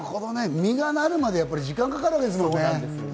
実がなるまで時間がかかるんですね。